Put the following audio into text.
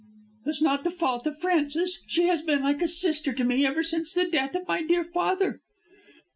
"It's not the fault of Frances. She has been like a sister to me ever since the death of my dear father."